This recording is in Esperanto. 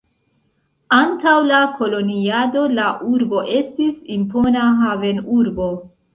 Antaŭ la koloniado la urbo estis impona havenurbo.